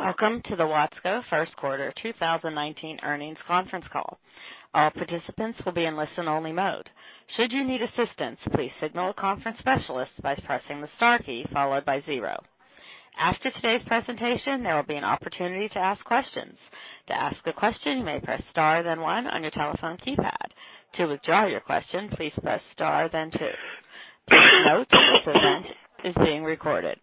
Welcome to the Watsco First Quarter 2019 Earnings Conference Call. All participants will be in listen-only mode. Should you need assistance, please signal a conference specialist by pressing the star key followed by zero. After today's presentation, there will be an opportunity to ask questions. To ask a question, you may press star then one on your telephone keypad. To withdraw your question, please press star then two. Note this event is being recorded.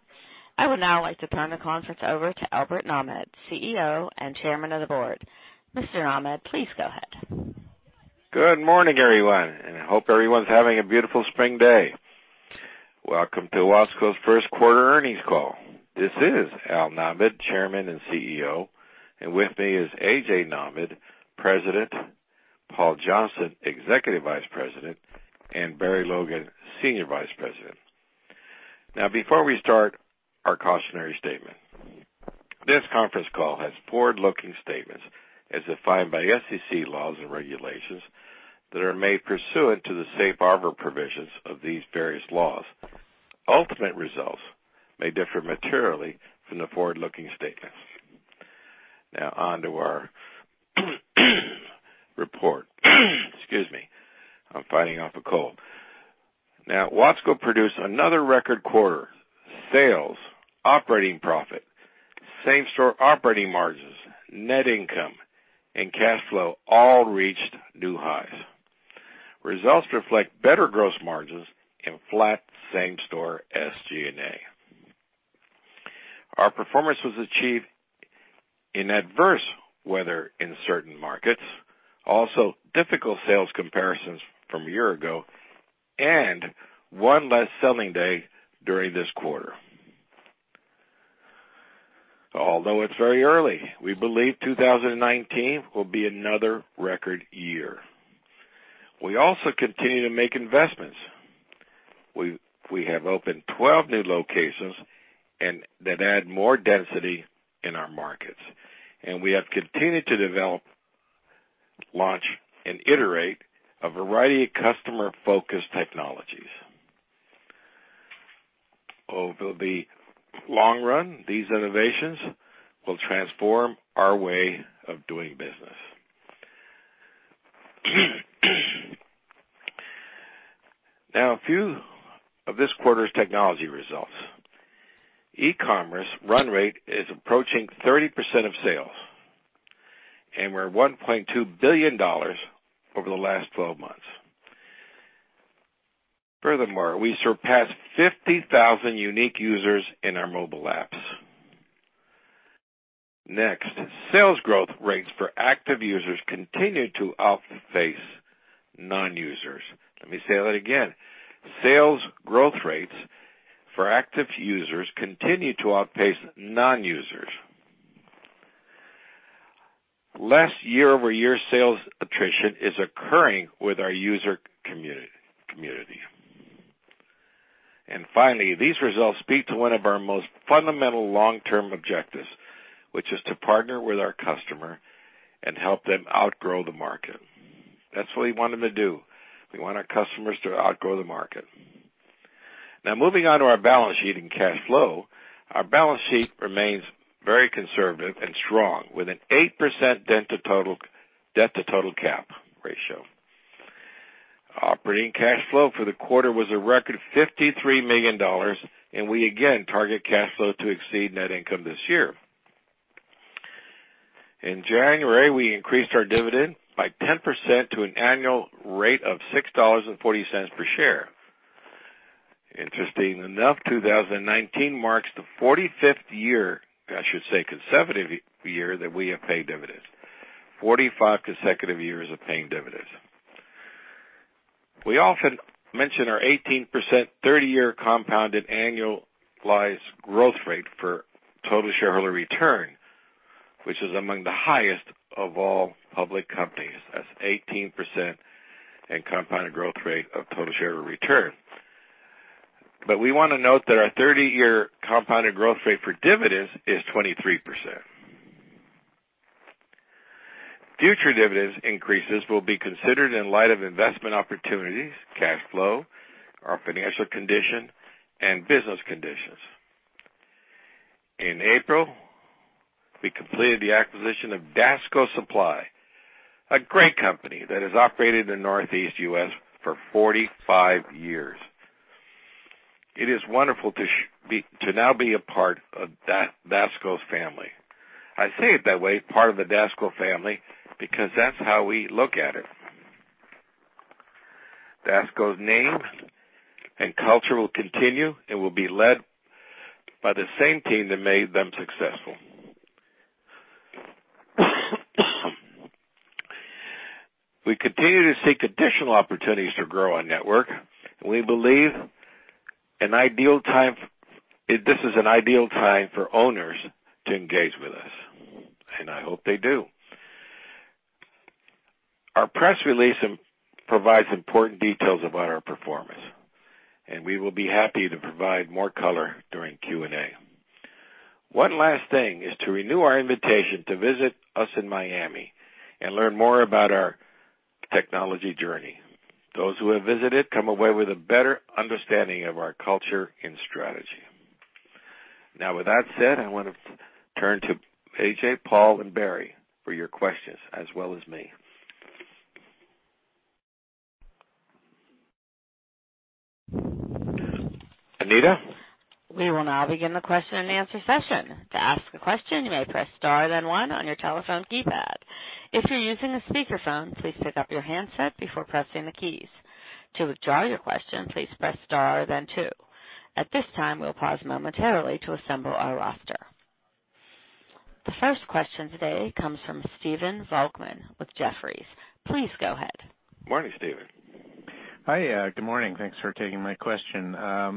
I would now like to turn the conference over to Albert Nahmad, CEO and Chairman of the Board. Mr. Nahmad, please go ahead. Good morning, everyone. I hope everyone's having a beautiful spring day. Welcome to Watsco's first quarter earnings call. This is Al Nahmad, Chairman and CEO, and with me is A.J. Nahmad, President, Paul Johnston, Executive Vice President, and Barry Logan, Senior Vice President. Before we start, our cautionary statement. This conference call has forward-looking statements as defined by SEC laws and regulations that are made pursuant to the safe harbor provisions of these various laws. Ultimate results may differ materially from the forward-looking statements. On to our report. Excuse me, I'm fighting off a cold. Watsco produced another record quarter. Sales, operating profit, same-store operating margins, net income, and cash flow all reached new highs. Results reflect better gross margins and flat same-store SG&A. Our performance was achieved in adverse weather in certain markets, also difficult sales comparisons from a year ago, and one less selling day during this quarter. Although it's very early, we believe 2019 will be another record year. We also continue to make investments. We have opened 12 new locations and that add more density in our markets, and we have continued to develop, launch, and iterate a variety of customer-focused technologies. Over the long run, these innovations will transform our way of doing business. Now, a few of this quarter's technology results. E-commerce run rate is approaching 30% of sales, and we're at $1.2 billion over the last 12 months. Furthermore, we surpassed 50,000 unique users in our mobile apps. Next, sales growth rates for active users continue to outpace non-users. Let me say that again. Sales growth rates for active users continue to outpace non-users. Less year-over-year sales attrition is occurring with our user community. Finally, these results speak to one of our most fundamental long-term objectives, which is to partner with our customer and help them outgrow the market. That's what we want them to do. We want our customers to outgrow the market. Moving on to our balance sheet and cash flow. Our balance sheet remains very conservative and strong with an 8% debt to total cap ratio. Operating cash flow for the quarter was a record $53 million, and we again target cash flow to exceed net income this year. In January, we increased our dividend by 10% to an annual rate of $6.40 per share. Interesting enough, 2019 marks the 45th year, I should say consecutive year, that we have paid dividends. 45 consecutive years of paying dividends. We often mention our 18% 30-year compounded annualized growth rate for total shareholder return, which is among the highest of all public companies. That's 18% in compounded growth rate of total shareholder return. We want to note that our 30-year compounded growth rate for dividends is 23%. Future dividends increases will be considered in light of investment opportunities, cash flow, our financial condition, and business conditions. In April, we completed the acquisition of DASCO Supply, a great company that has operated in the Northeast U.S. for 45 years. It is wonderful to now be a part of DASCO's family. I say it that way, part of the DASCO family, because that's how we look at it. DASCO's name and culture will continue and will be led by the same team that made them successful. We continue to seek additional opportunities to grow our network. We believe this is an ideal time for owners to engage with us, and I hope they do. Our press release provides important details about our performance, and we will be happy to provide more color during Q&A. One last thing is to renew our invitation to visit us in Miami and learn more about our technology journey. Those who have visited come away with a better understanding of our culture and strategy. With that said, I wanna turn to A.J., Paul, and Barry for your questions as well as me. Anita? We will now begin the question-and-answer session. To ask a question, you may press star then one on your telephone keypad. If you are using a speaker phone, please pick up your handset before pressing the keys. To withdraw your question, please press star then two. At this time, we will pause momentarily to assemble our roster. The first question today comes from Stephen Volkmann with Jefferies. Please go ahead. Morning, Stephen. Hi, good morning. Thanks for taking my question.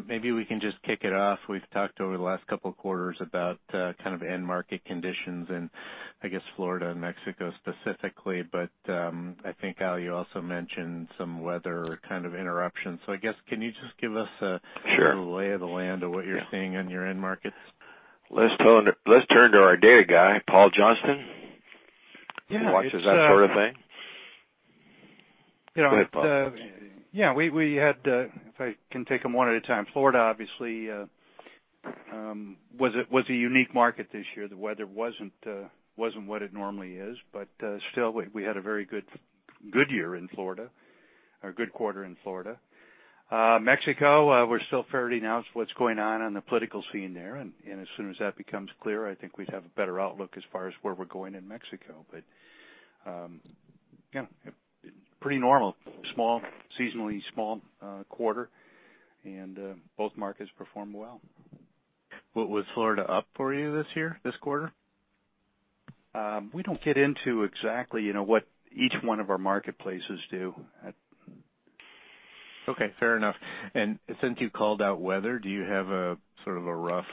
Maybe we can just kick it off. We've talked over the last couple of quarters about kind of end market conditions and I guess Florida and Mexico specifically, but I think, Al, you also mentioned some weather kind of interruption. I guess, can you just give us a- Sure. Lay of the land of what you're seeing on your end markets? Let's turn to our data guy, Paul Johnston. He watches that sort of thing. Go ahead, Paul. We had, if I can take them one at a time. Florida obviously was a unique market this year. The weather wasn't what it normally is, but still we had a very good year in Florida, or good quarter in Florida. Mexico, we're still fairly unannounced what's going on on the political scene there. As soon as that becomes clear, I think we'd have a better outlook as far as where we're going in Mexico. Pretty normal. Small, seasonally small quarter and both markets performed well. Was Florida up for you this year, this quarter? We don't get into exactly, you know, what each one of our marketplaces do at. Okay. Fair enough. Since you called out weather, do you have a sort of a rough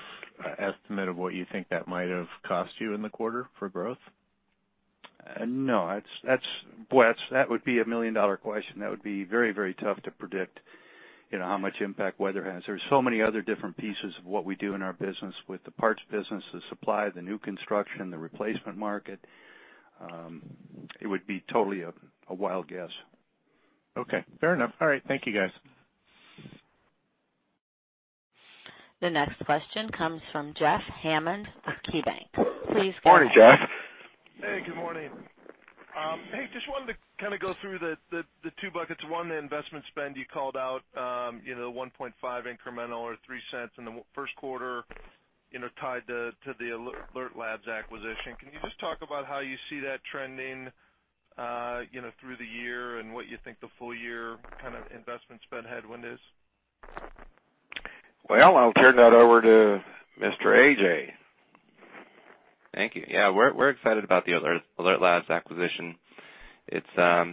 estimate of what you think that might have cost you in the quarter for growth? No. Boy, that would be a million-dollar question. That would be very, very tough to predict, you know, how much impact weather has. There's so many other different pieces of what we do in our business with the parts business, the supply, the new construction, the replacement market. It would be totally a wild guess. Okay. Fair enough. All right. Thank you, guys. The next question comes from Jeff Hammond of KeyBanc. Please go ahead. Morning, Jeff. Hey, good morning. Hey, just wanted to go through the two buckets. One, the investment spend you called out, you know, the $1.5 million incremental or $0.03 in the first quarter, you know, tied to the Alert Labs acquisition. Can you just talk about how you see that trending, you know, through the year and what you think the full year kind of investment spend headwind is? Well, I'll turn that over to Mr. A.J. Thank you. Yeah, we're excited about the Alert Labs acquisition. It's a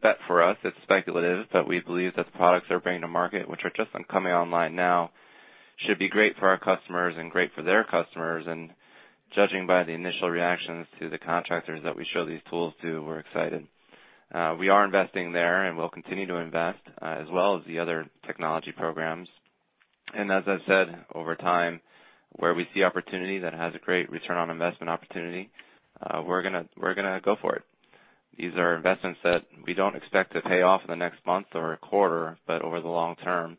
bet for us. It's speculative. We believe that the products they're bringing to market, which are just coming online now, should be great for our customers and great for their customers. Judging by the initial reactions to the contractors that we show these tools to, we're excited. We are investing there, and we'll continue to invest as well as the other technology programs. As I've said, over time, where we see opportunity that has a great return on investment opportunity, we're gonna go for it. These are investments that we don't expect to pay off in the next month or a quarter, but over the long-term.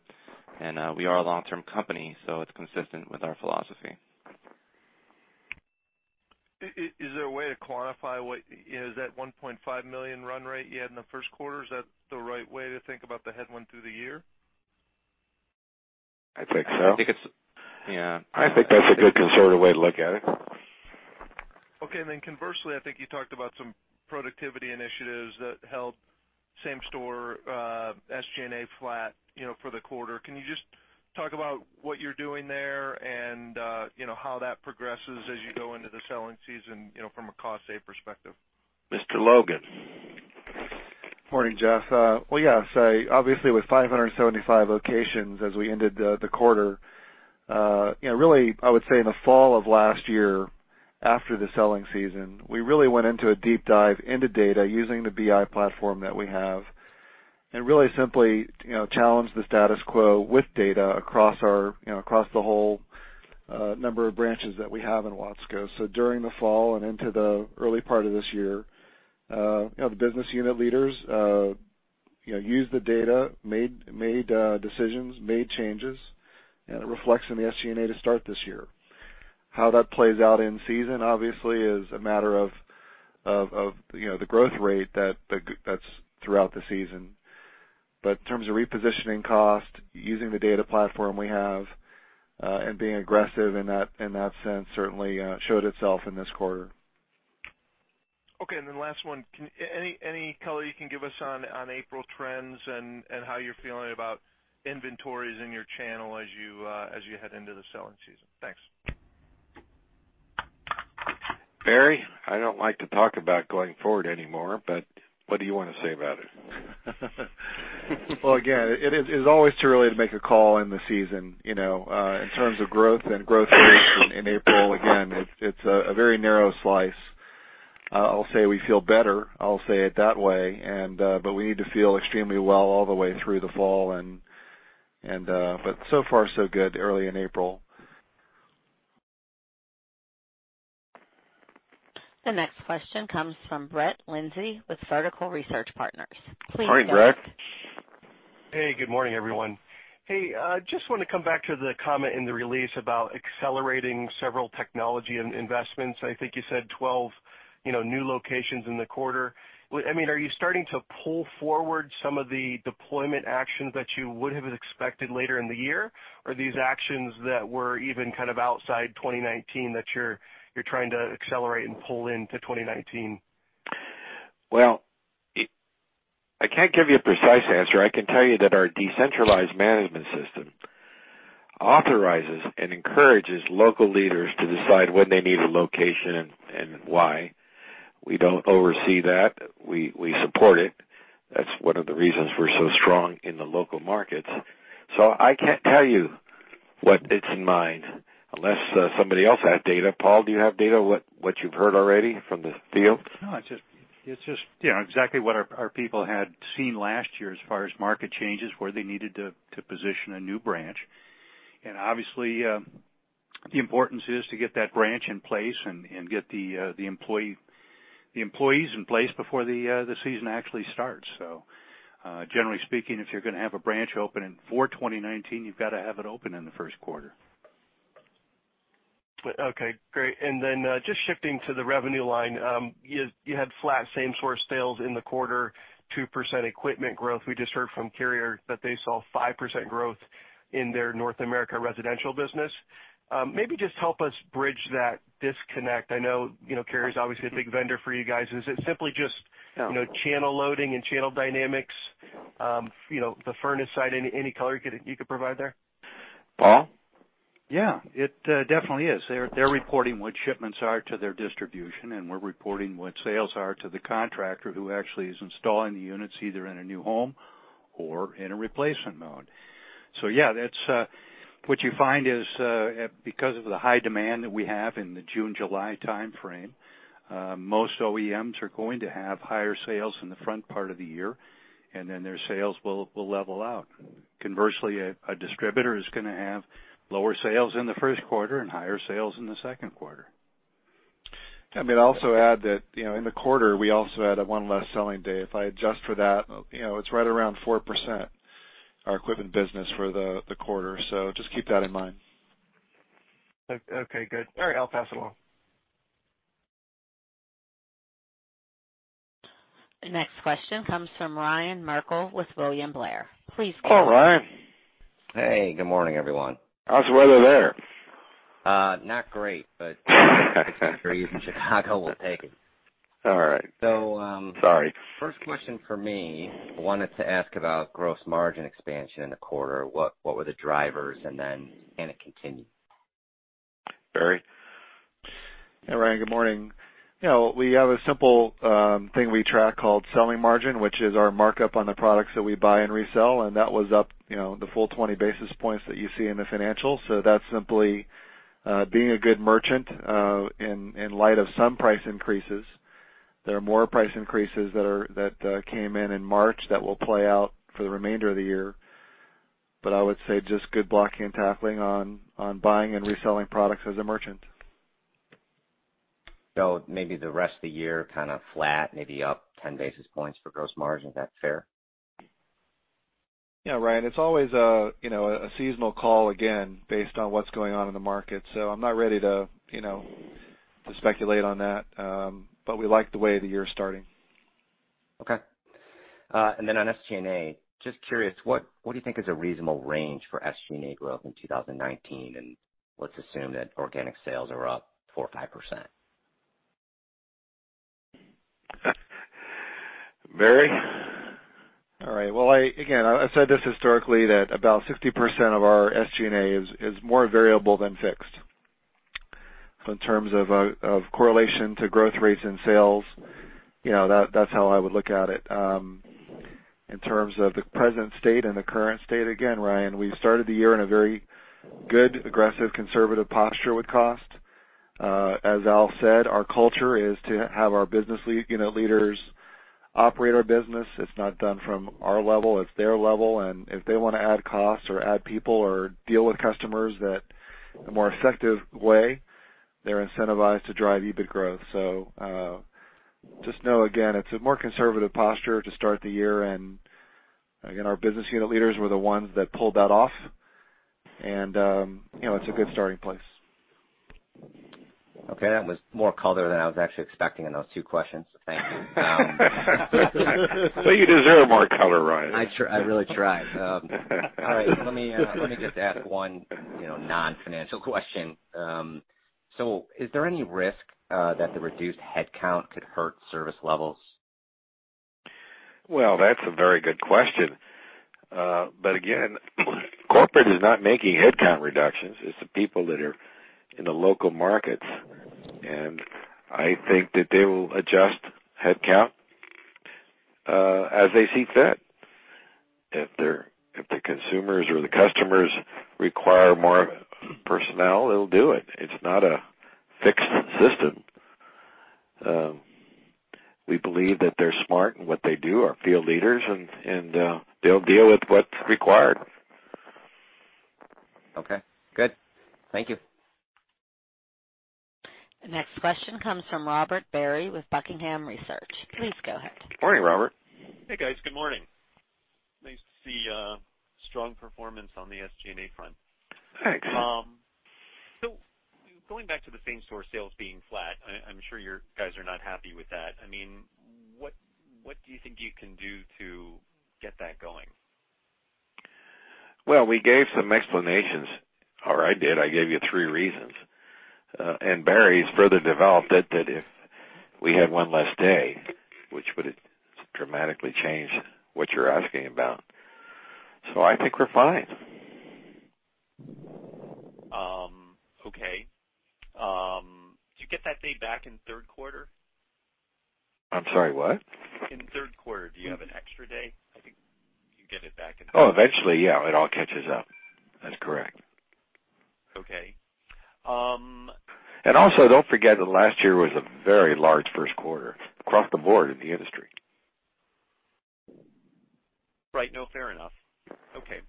We are a long-term company, it's consistent with our philosophy. Is there a way to quantify what? Is that $1.5 million run rate you had in the first quarter, is that the right way to think about the headwind through the year? I think so. I think it's, yeah. I think that's a good conservative way to look at it. Okay. Conversely, I think you talked about some productivity initiatives that held same store SG&A flat, you know, for the quarter. Can you just talk about what you're doing there and, you know, how that progresses as you go into the selling season, you know, from a cost save perspective? Mr. Logan. Morning, Jeff. Well, yeah. Obviously with 575 locations as we ended the quarter, you know, really, I would say in the fall of last year after the selling season, we really went into a deep dive into data using the BI platform that we have, and really simply, you know, challenged the status quo with data across our, you know, across the whole number of branches that we have in Watsco. During the fall and into the early part of this year, you know, the business unit leaders, you know, used the data, made decisions, made changes, and it reflects in the SG&A to start this year. How that plays out in season, obviously, is a matter of, you know, the growth rate that's throughout the season. In terms of repositioning cost, using the data platform we have, and being aggressive in that, in that sense, certainly showed itself in this quarter. Okay. Last one. Any color you can give us on April trends and how you're feeling about inventories in your channel as you head into the selling season? Thanks. Barry, I don't like to talk about going forward anymore, but what do you wanna say about it? Well, again, it's always too early to make a call in the season. You know, in terms of growth and growth rates in April, again, it's a very narrow slice. I'll say we feel better. I'll say it that way. We need to feel extremely well all the way through the fall and so far, so good early in April. The next question comes from Brett Linzey with Vertical Research Partners. Please go ahead. Hi, Brett. Hey, good morning, everyone. Hey, just wanna come back to the comment in the release about accelerating several technology investments. I think you said 12, you know, new locations in the quarter. I mean, are you starting to pull forward some of the deployment actions that you would have expected later in the year? These actions that were even kind of outside 2019 that you're trying to accelerate and pull into 2019? I can't give you a precise answer. I can tell you that our decentralized management system authorizes and encourages local leaders to decide when they need a location and why. We don't oversee that. We support it. That's one of the reasons we're so strong in the local markets. I can't tell you what it's in mind unless somebody else had data. Paul, do you have data what you've heard already from the field? No, it's just, you know, exactly what our people had seen last year as far as market changes, where they needed to position a new branch. Obviously, the importance is to get that branch in place and get the employees in place before the season actually starts. Generally speaking, if you're gonna have a branch open in, for 2019, you've gotta have it open in the first quarter. Okay, great. Just shifting to the revenue line. You had flat same-source sales in the quarter, 2% equipment growth. We just heard from Carrier that they saw 5% growth in their North America residential business. Maybe just help us bridge that disconnect. I know, you know, Carrier is obviously a big vendor for you guys. Is it simply, you know, channel loading and channel dynamics, you know, the furnace side? Any color you could provide there? Paul? Yeah. It definitely is. They're reporting what shipments are to their distribution, and we're reporting what sales are to the contractor who actually is installing the units, either in a new home or in a replacement mode. Yeah, that's what you find is, because of the high demand that we have in the June-July timeframe, most OEMs are going to have higher sales in the front part of the year, and then their sales will level out. Conversely, a distributor is going to have lower sales in the first quarter and higher sales in the second quarter. I mean, I'd also add that, you know, in the quarter, we also had a one less selling day. If I adjust for that, you know, it's right around 4%, our equipment business for the quarter. Just keep that in mind. Okay, good. Barry, I'll pass it along. The next question comes from Ryan Merkel with William Blair. Please go ahead. Hello, Ryan. Hey, good morning, everyone. How's the weather there? Not great, for yous in Chicago, we'll take it. All right. So, um- Sorry. First question for me, I wanted to ask about gross margin expansion in the quarter. What were the drivers? Can it continue? Barry? Yeah, Ryan, good morning. You know, we have a simple thing we track called selling margin, which is our markup on the products that we buy and resell, and that was up, you know, the full 20 basis points that you see in the financials. That's simply being a good merchant in light of some price increases. There are more price increases that came in in March that will play out for the remainder of the year. I would say just good blocking and tackling on buying and reselling products as a merchant. Maybe the rest of the year kind of flat, maybe up 10 basis points for gross margin. Is that fair? Yeah, Ryan, it's always a, you know, a seasonal call, again, based on what's going on in the market. I'm not ready to, you know, to speculate on that. We like the way the year is starting. Okay. Then on SG&A, just curious, what do you think is a reasonable range for SG&A growth in 2019? Let's assume that organic sales are up 4%, 5%. Barry? Well, again, I've said this historically, that about 60% of our SG&A is more variable than fixed. In terms of correlation to growth rates in sales, you know, that's how I would look at it. In terms of the present state and the current state, again, Ryan, we started the year in a very good, aggressive, conservative posture with cost. As Al said, our culture is to have our business lead, you know, leaders operate our business. It's not done from our level. It's their level. If they wanna add costs or add people or deal with customers that a more effective way, they're incentivized to drive EBIT growth. Just know, again, it's a more conservative posture to start the year. Again, our business unit leaders were the ones that pulled that off. You know, it's a good starting place. Okay. That was more color than I was actually expecting on those two questions. Thank you. Well, you deserve more color, Ryan. I really try. All right. Let me, let me just ask one, you know, non-financial question. Is there any risk that the reduced headcount could hurt service levels? Well, that's a very good question. Again, corporate is not making headcount reductions. It's the people that are in the local markets. I think that they will adjust headcount, as they see fit. If the consumers or the customers require more personnel, they'll do it. It's not a fixed system. We believe that they're smart in what they do, our field leaders and, they'll deal with what's required. Okay, good. Thank you. The next question comes from Robert Barry with Buckingham Research. Please go ahead. Morning, Robert. Hey, guys. Good morning. Nice to see strong performance on the SG&A front. Thanks. Going back to the same-store sales being flat, I'm sure your guys are not happy with that. I mean, what do you think you can do to get that going? Well, we gave some explanations, or I did. I gave you three reasons. Barry's further developed it that if we had one less day, which would've dramatically changed what you're asking about. I think we're fine. Okay. Do you get that day back in third quarter? I'm sorry, what? In third quarter, do you have an extra day? I think you get it back in third. Oh, eventually, yeah, it all catches up. That's correct. Okay. Also, don't forget that last year was a very large first quarter across the board in the industry. Right. No, fair enough. Okay.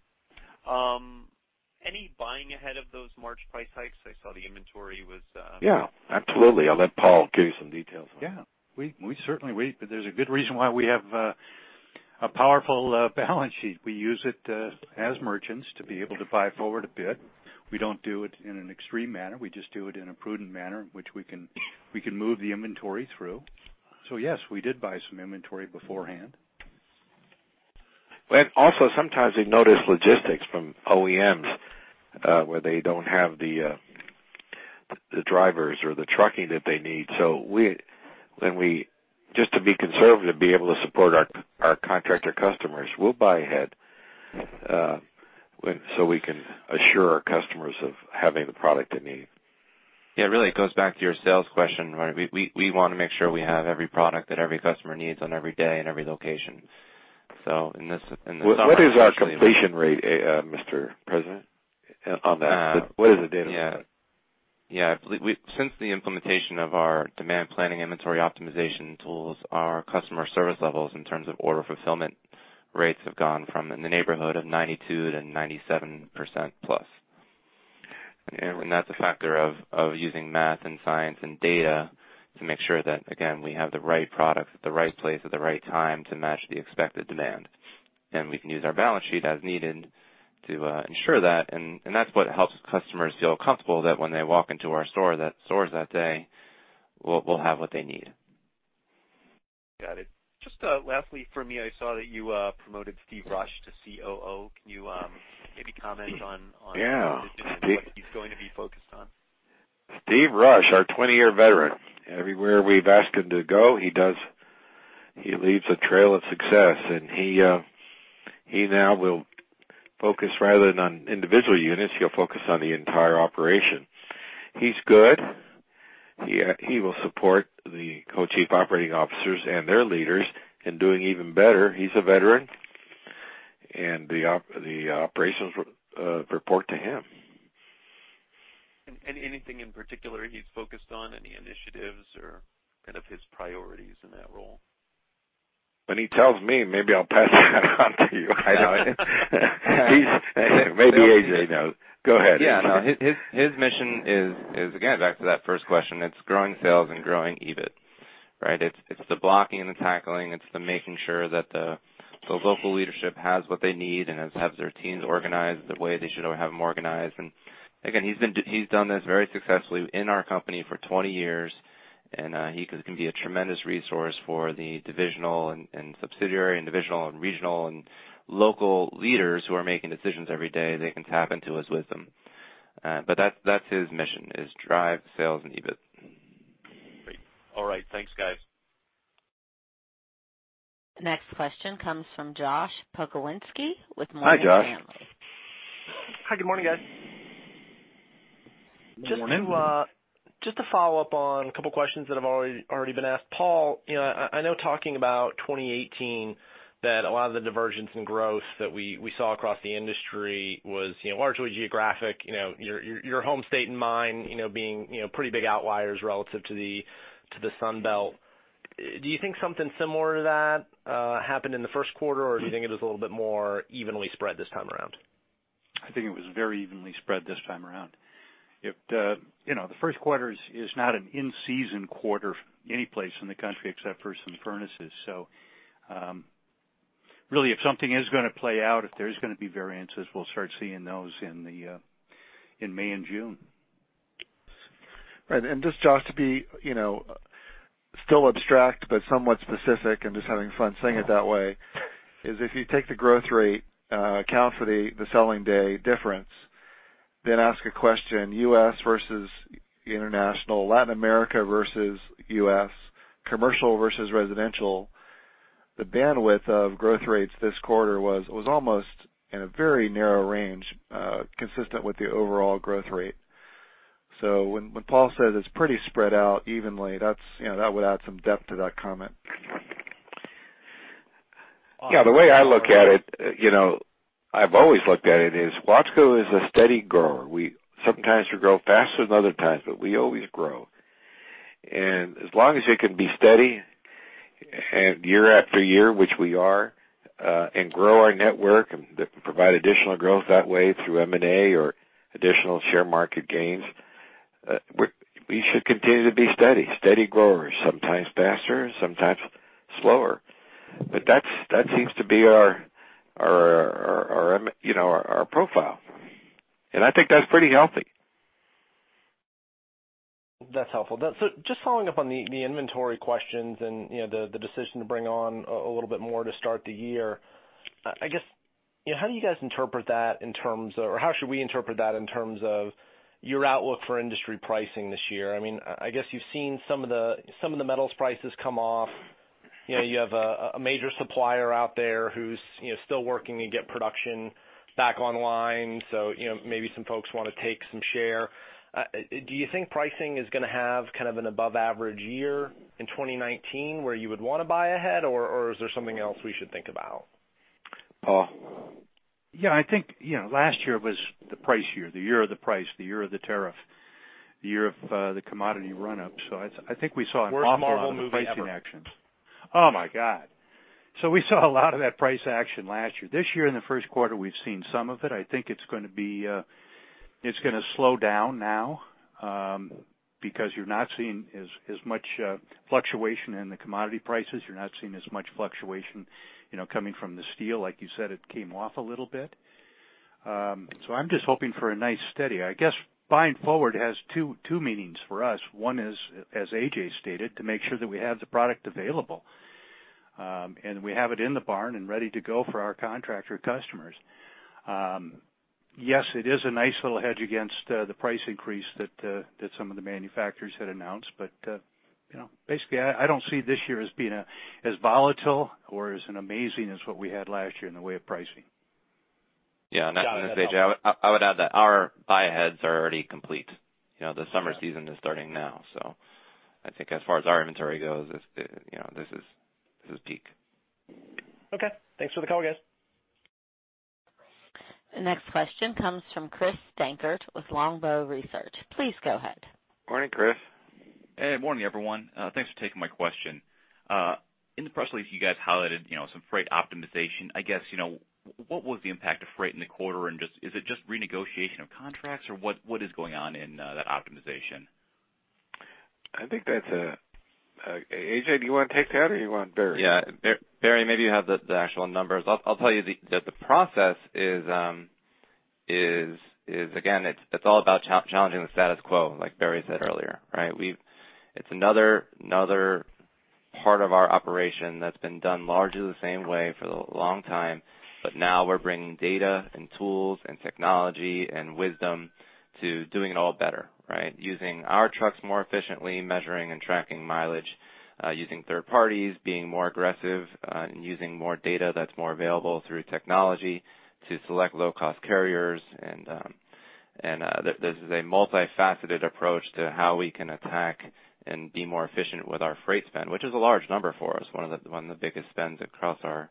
Any buying ahead of those March price hikes? I saw the inventory was. Yeah, absolutely. I'll let Paul give you some details on that. We certainly. There's a good reason why we have a powerful balance sheet. We use it as merchants to be able to buy forward a bit. We don't do it in an extreme manner. We just do it in a prudent manner, which we can move the inventory through. Yes, we did buy some inventory beforehand. Also sometimes they notice logistics from OEMs, where they don't have the drivers or the trucking that they need. Just to be conservative, be able to support our contractor customers, we'll buy ahead, so we can assure our customers of having the product they need. Yeah, really, it goes back to your sales question, right? We wanna make sure we have every product that every customer needs on every day and every location. In the summer. What is our completion rate, Mr. President, on that? What is the data set? Yeah. Yeah. Since the implementation of our demand planning inventory optimization tools, our customer service levels in terms of order fulfillment rates have gone from in the neighborhood of 92% to 97%+. That's a factor of using math and science and data to make sure that, again, we have the right product at the right place at the right time to match the expected demand. We can use our balance sheet as needed to ensure that and that's what helps customers feel comfortable that when they walk into our stores that day, we'll have what they need. Got it. Just lastly for me, I saw that you promoted Steve Rush to COO. Can you maybe comment on what he's going to be focused on? Steve Rush, our 20-year veteran. Everywhere we've asked him to go, he does. He leaves a trail of success, and he now will focus rather than on individual units, he'll focus on the entire operation. He's good. He will support the Co-Chief Operating Officers and their leaders in doing even better. He's a veteran, and the operations report to him. Anything in particular he's focused on? Any initiatives or kind of his priorities in that role? When he tells me, maybe I'll pass that on to you. I know. Maybe A.J. knows. Go ahead. No. His mission is again, back to that first question, it's growing sales and growing EBIT, right? It's the blocking and the tackling. It's the making sure that the local leadership has what they need and has their teams organized the way they should have them organized. Again, he's done this very successfully in our company for 20 years, and he can be a tremendous resource for the divisional and subsidiary and divisional and regional and local leaders who are making decisions every day. They can tap into his wisdom. That's his mission is drive sales and EBIT. Great. All right. Thanks, guys. The next question comes from Josh Pokrzywinski with Morgan Stanley. Hi, Josh. Hi, good morning, guys. Morning. Just to follow up on a couple questions that have already been asked. Paul, you know, I know talking about 2018, that a lot of the divergence in growth that we saw across the industry was, you know, largely geographic. You know, your home state in mind, you know, being, you know, pretty big outliers relative to the Sun Belt. Do you think something similar to that happened in the first quarter? Or do you think it was a little bit more evenly spread this time around? I think it was very evenly spread this time around. You know, the first quarter is not an in-season quarter anyplace in the country except for some furnaces. Really, if something is gonna play out, if there's gonna be variances, we'll start seeing those in May and June. Right. Just, Josh, to be, you know, still abstract, but somewhat specific and just having fun saying it that way, is if you take the growth rate, account for the selling day difference, then ask a question, U.S. versus international, Latin America versus U.S., commercial versus residential. The bandwidth of growth rates this quarter was almost in a very narrow range, consistent with the overall growth rate. When Paul says it's pretty spread out evenly, that's, you know, that would add some depth to that comment. Yeah, the way I look at it, you know, I've always looked at it is Watsco is a steady grower. Sometimes we grow faster than other times, but we always grow. As long as it can be steady and year after year, which we are, and grow our network and provide additional growth that way through M&A or additional share market gains, we should continue to be steady growers, sometimes faster, sometimes slower. That seems to be our, you know, our profile. I think that's pretty healthy. That's helpful. Just following up on the inventory questions and, you know, the decision to bring on a little bit more to start the year. I guess, you know, how do you guys interpret that in terms of or how should we interpret that in terms of your outlook for industry pricing this year? I mean, I guess you've seen some of the metals prices come off. You know, you have a major supplier out there who's, you know, still working to get production back online, so, you know, maybe some folks wanna take some share. Do you think pricing is gonna have kind of an above average year in 2019 where you would wanna buy ahead, or is there something else we should think about? Paul? Yeah, I think, you know, last year was the price year, the year of the price, the year of the tariff, the year of the commodity run-up. I think we saw an awful lot of pricing action. Worst Marvel movie ever. Oh my God. We saw a lot of that price action last year. This year in the first quarter, we've seen some of it. I think it's gonna be, it's gonna slow down now, because you're not seeing as much fluctuation in the commodity prices. You're not seeing as much fluctuation, you know, coming from the steel. Like you said, it came off a little bit. I'm just hoping for a nice steady. I guess buying forward has two meanings for us. One is, as A.J. stated, to make sure that we have the product available, and we have it in the barn and ready to go for our contractor customers. Yes, it is a nice little hedge against the price increase that some of the manufacturers had announced. You know, basically, I don't see this year as being as volatile or as amazing as what we had last year in the way of pricing. Yeah. This is A.J. I would add that our buy aheads are already complete. You know, the summer season is starting now. I think as far as our inventory goes, it's, you know, this is peak. Okay. Thanks for the color, guys. The next question comes from Chris Dankert with Longbow Research. Please go ahead. Morning, Chris. Hey, morning, everyone. Thanks for taking my question. In the press release, you guys highlighted, you know, some freight optimization. I guess, you know, what was the impact of freight in the quarter? Is it just renegotiation of contracts, or what is going on in that optimization? I think that's a, A.J., do you wanna take that or you want Barry? Yeah. Barry, maybe you have the actual numbers. I'll tell you the process is again, it's all about challenging the status quo, like Barry said earlier, right? It's another part of our operation that's been done largely the same way for the long time, but now we're bringing data and tools and technology and wisdom to doing it all better, right? Using our trucks more efficiently, measuring and tracking mileage, using third-parties, being more aggressive, and using more data that's more available through technology to select low-cost carriers. This is a multifaceted approach to how we can attack and be more efficient with our freight spend, which is a large number for us, one of the biggest spends across our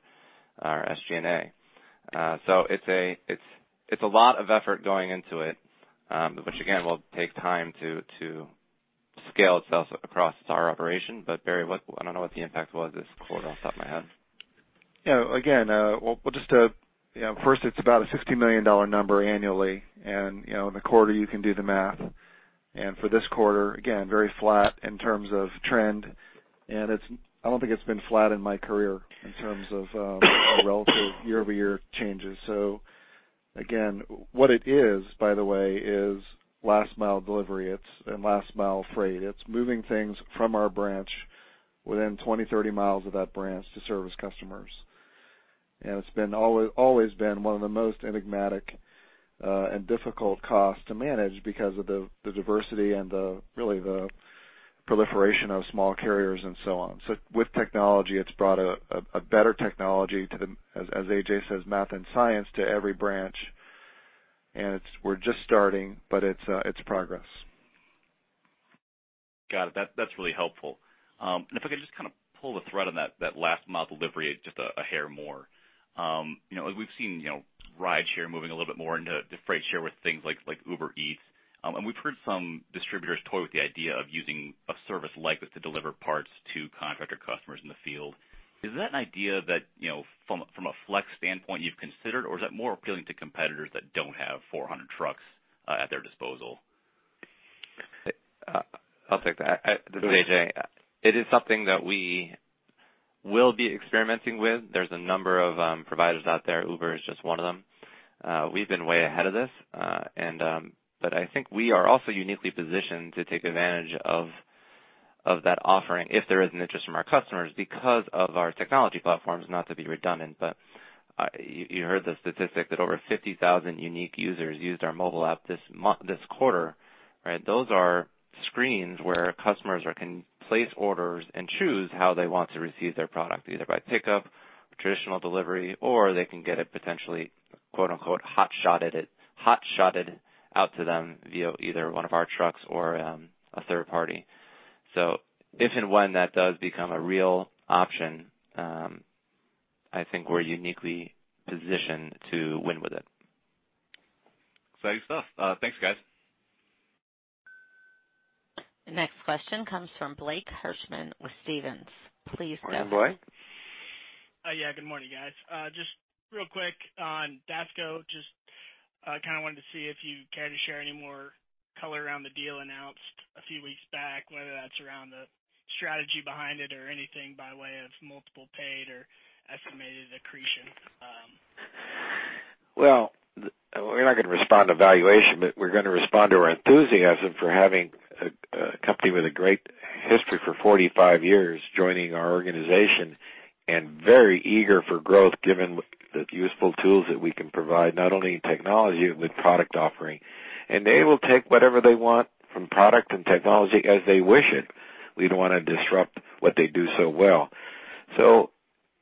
SG&A. It's a lot of effort going into it, which again, will take time to scale itself across our operation. Barry, I don't know what the impact was this quarter off the top of my head. You know, we'll just, you know, first it's about a $60 million number annually. You know, in the quarter you can do the math. For this quarter, again very flat in terms of trend. I don't think it's been flat in my career in terms of relative year-over-year changes. Again, what it is, by the way, is last mile delivery. It's last mile freight. It's moving things from our branch within 20, 30 mi of that branch to service customers. It's always been one of the most enigmatic and difficult costs to manage because of the diversity and really the proliferation of small carriers and so on. With technology, it's brought a better technology to the, as A.J. says, math and science to every branch. We're just starting, but it's progress. Got it. That's really helpful. If I could just kind of pull the thread on that last mile delivery just a hair more. You know, as we've seen, you know, rideshare moving a little bit more into the freight share with things like Uber Eats. We've heard some distributors toy with the idea of using a service like this to deliver parts to contractor customers in the field. Is that an idea that, you know, from a flex standpoint you've considered, or is that more appealing to competitors that don't have 400 trucks at their disposal? I'll take that. This is A.J. It is something that we will be experimenting with. There's a number of providers out there. Uber is just one of them. We've been way ahead of this. I think we are also uniquely positioned to take advantage of that offering if there is an interest from our customers because of our technology platforms, not to be redundant. You heard the statistic that over 50,000 unique users used our mobile app this quarter. Those are screens where customers can place orders and choose how they want to receive their product, either by pickup, traditional delivery, or they can get it potentially "hot shotted out to them" via either one of our trucks or a third-party. If and when that does become a real option, I think we're uniquely positioned to win with it. Exciting stuff. Thanks, guys. Next question comes from Blake Hirschman with Stephens. Please go. Morning, Blake. Good morning, guys. Just real quick on DASCO. Just kinda wanted to see if you care to share any more color around the deal announced a few weeks back, whether that's around the strategy behind it or anything by way of multiple paid or estimated accretion. We're not gonna respond to valuation, but we're gonna respond to our enthusiasm for having a company with a great history for 45 years joining our organization and very eager for growth, given the useful tools that we can provide, not only in technology, but with product offering. They will take whatever they want from product and technology as they wish it. We don't wanna disrupt what they do so well.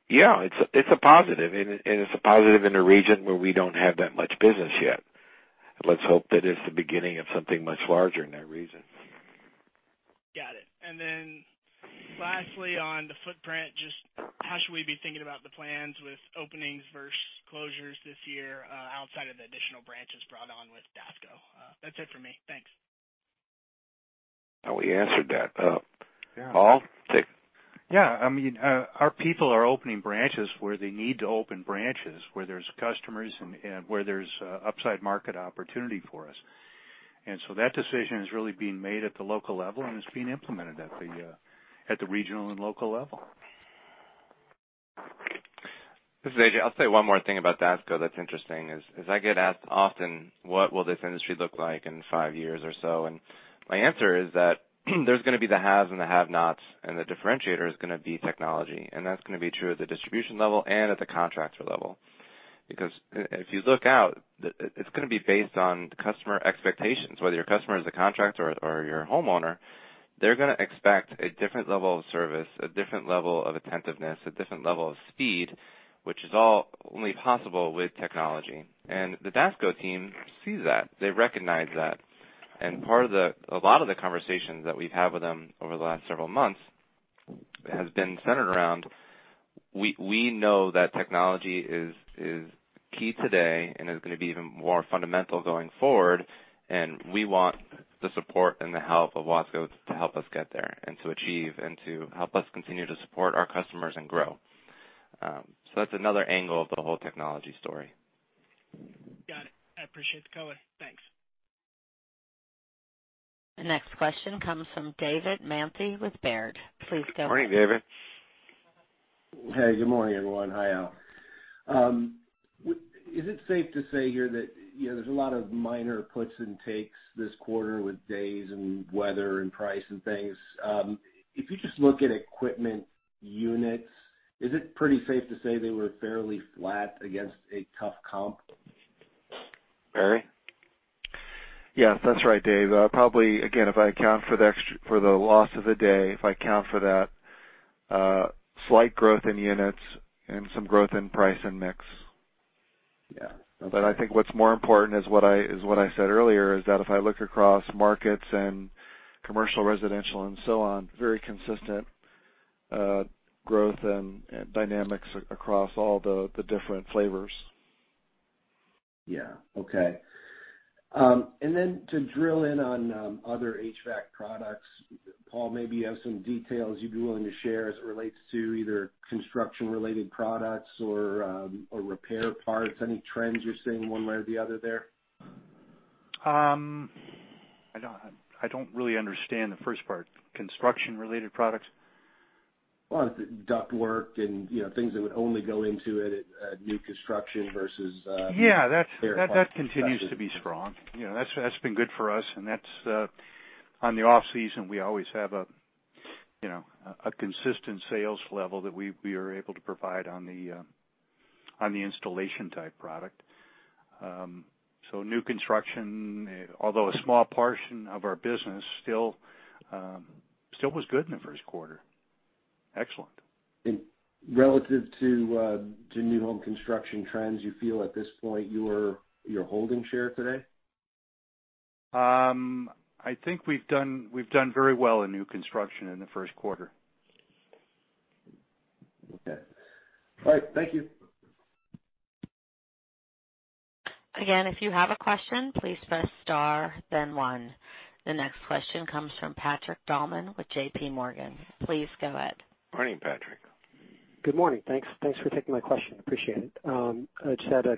Yeah, it's a positive, and it's a positive in a region where we don't have that much business yet. Let's hope that it's the beginning of something much larger in that region. Got it. Lastly, on the footprint, just how should we be thinking about the plans with openings versus closures this year, outside of the additional branches brought on with DASCO? That's it for me. Thanks. I thought we answered that. Paul? Yeah. I mean, our people are opening branches where they need to open branches, where there's customers and where there's upside market opportunity for us. That decision is really being made at the local level and is being implemented at the regional and local level. This is A.J. I'll say one more thing about DASCO that's interesting is I get asked often, what will this industry look like in five years or so? My answer is that there's going to be the haves and the have-nots, and the differentiator is going to be technology, and that's going to be true at the distribution level and at the contractor level. Because if you look out, it's going to be based on customer expectations. Whether your customer is a contractor or you're a homeowner, they're going to expect a different level of service, a different level of attentiveness, a different level of speed, which is all only possible with technology. The DASCO team sees that. They recognize that. A lot of the conversations that we've had with them over the last several months has been centered around, we know that technology is key today and is gonna be even more fundamental going forward. We want the support and the help of Watsco to help us get there and to achieve and to help us continue to support our customers and grow. That's another angle of the whole technology story. Got it. I appreciate the color. Thanks. The next question comes from David Manthey with Baird. Please go- Morning, David. Hey, good morning, everyone. Hi, Al. Is it safe to say here that, you know, there's a lot of minor puts and takes this quarter with days and weather and price and things. If you just look at equipment units, is it pretty safe to say they were fairly flat against a tough comp? Barry? Yes. That's right, Dave. Probably, again, if I account for the loss of the day, if I account for that, slight growth in units and some growth in price and mix. I think what's more important is what I said earlier, is that if I look across markets and commercial, residential and so on, very consistent growth and dynamics across all the different flavors. Yeah. Okay. Then to drill in on other HVAC products, Paul, maybe you have some details you'd be willing to share as it relates to either construction-related products or repair parts. Any trends you're seeing one way or the other there? I don't really understand the first part. Construction-related products? Well, duct work and, you know, things that would only go into it at new construction versus. Yeah. That continues to be strong. You know, that's been good for us. That's on the off-season, we always have a, you know, a consistent sales level that we are able to provide on the installation type product. New construction, although a small portion of our business, still was good in the first quarter. Excellent. Relative to new home construction trends, you feel at this point you're holding share today? I think we've done very well in new construction in the first quarter. Okay. All right. Thank you. Again, if you have a question, please press star then one. The next question comes from Patrick Baumann with JPMorgan. Please go ahead. Morning, Patrick. Good morning. Thanks. Thanks for taking my question. Appreciate it. I just had a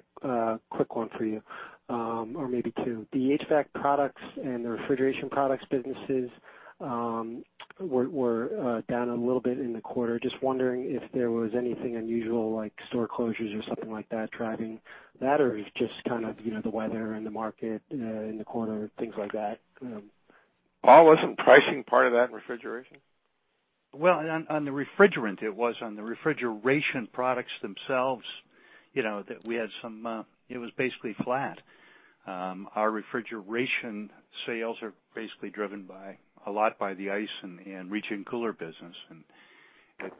quick one for you, or maybe two. The HVAC products and the refrigeration products businesses were down a little bit in the quarter. Just wondering if there was anything unusual like store closures or something like that driving that, or it's just kind of, you know, the weather and the market in the quarter, things like that? Paul, wasn't pricing part of that in refrigeration? Well, on the refrigerant it was. On the refrigeration products themselves, you know, that we had some, it was basically flat. Our refrigeration sales are basically driven by, a lot by the ice and reach-in cooler business.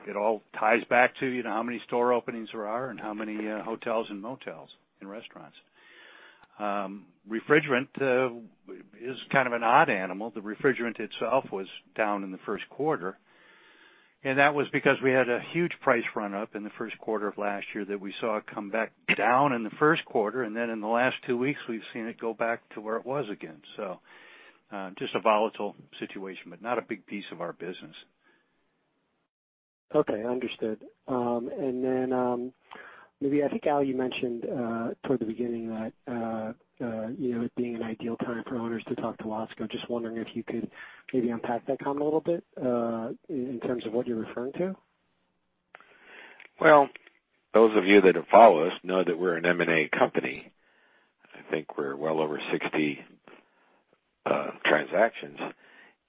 It all ties back to, you know, how many store openings there are and how many hotels and motels and restaurants. Refrigerant is kind of an odd animal. The refrigerant itself was down in the first quarter, and that was because we had a huge price run-up in the first quarter of last year that we saw it come back down in the first quarter, and then in the last two weeks, we've seen it go back to where it was again. Just a volatile situation, but not a big piece of our business. Okay. Understood. Maybe I think, Al, you mentioned, toward the beginning that, you know, it being an ideal time for owners to talk to Watsco. Just wondering if you could maybe unpack that comment a little bit, in terms of what you're referring to? Well, those of you that have followed us know that we're an M&A company. I think we're well over 60 transactions,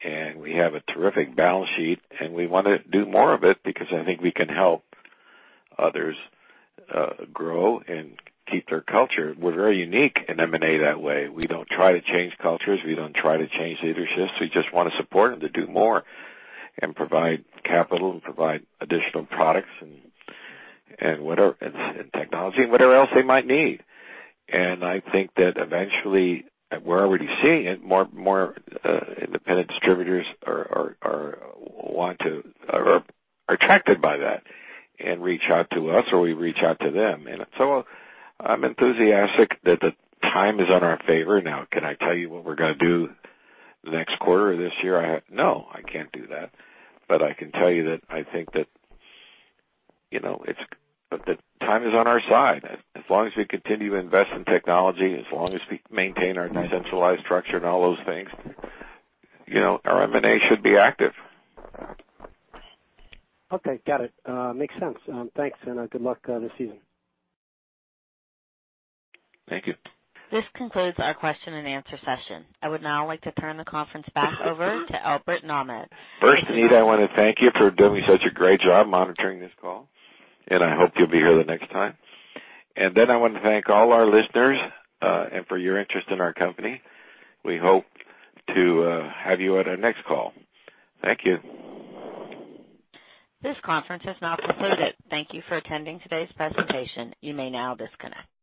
and we have a terrific balance sheet and we wanna do more of it because I think we can help others grow and keep their culture. We're very unique in M&A that way. We don't try to change cultures. We don't try to change leaderships. We just wanna support them to do more and provide capital and provide additional products and whatever, and technology and whatever else they might need. I think that eventually, we're already seeing it, more independent distributors are want to or are attracted by that and reach out to us or we reach out to them. I'm enthusiastic that the time is on our favor. Can I tell you what we're gonna do next quarter or this year? I can't do that. I can tell you that I think that, you know, it's, the time is on our side. As long as we continue to invest in technology, as long as we maintain our decentralized structure and all those things, you know, our M&A should be active. Okay. Got it. makes sense. thanks, and, good luck, this season. Thank you. This concludes our question-and-answer session. I would now like to turn the conference back over to Albert Nahmad. First, Anita, I want to thank you for doing such a great job monitoring this call, and I hope you'll be here the next time. I want to thank all our listeners, and for your interest in our company. We hope to have you on our next call. Thank you. This conference is now concluded. Thank you for attending today's presentation. You may now disconnect.